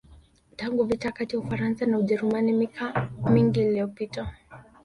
Tangu vita kati ya Ufaransa na Ujerumani mika mingi iliyopita